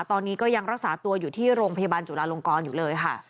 ตอนนี้ก็ยังรักษาตัวอยู่ที่โรงพยาบาลจุฬาลงกรอยู่เลยค่ะ